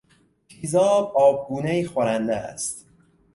تیزاب آبگونهای خورنده است.